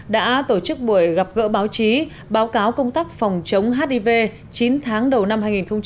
đã tổ chức buổi gặp gỡ báo chí báo cáo công tác phòng chống hiv chín tháng đầu năm hai nghìn hai mươi